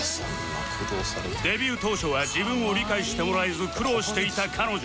デビュー当初は自分を理解してもらえず苦労していた彼女